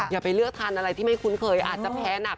อย่าไปเลือกทานอะไรที่ไม่คุ้นเคยอาจจะแพ้หนัก